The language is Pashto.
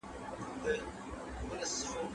د پښتو ژبي تاریخ زرګونه کاله پخوانی دی